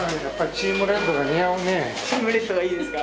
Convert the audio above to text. チームレッドがいいですか。